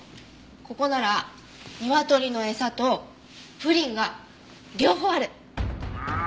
ここなら鶏の餌とプリンが両方ある。